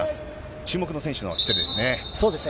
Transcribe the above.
注目の選手の一人ですね。